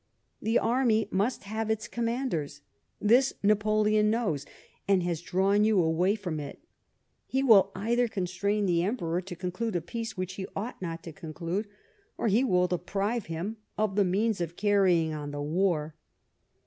The army must have its commanders ; this Napoleon knows, and has drawn you away from it. He will either constrain the Emperor to conclude a peace which he ought not to conclude, or he will deprive him of the means of carrying on the war.'